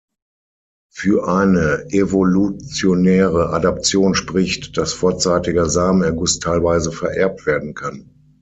Für eine evolutionäre Adaption spricht, dass vorzeitiger Samenerguss teilweise vererbt werden kann.